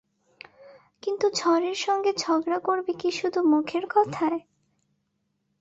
কিন্তু ঝড়ের সঙ্গে ঝগড়া করবে কি শুধু মুখের কথায়?